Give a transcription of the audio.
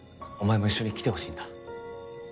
お前も一緒に来てほしいんだ。